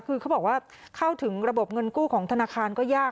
คือเขาบอกว่าเข้าถึงระบบเงินกู้ของธนาคารก็ยาก